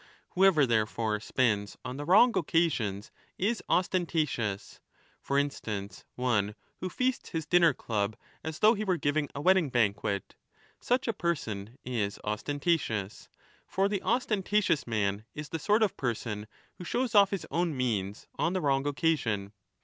Who ^^92 ever therefore spends on the wrong occasions is ostenta tious ; for instance, one who feasts his dinner club as though he were giving a wedding banquet, such a person is ostentatious (for the ostentatious man is the sort of person who shows off his own means on the wrong occa sion).